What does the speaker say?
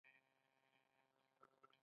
ایا د وینې غوړ مو معاینه کړي دي؟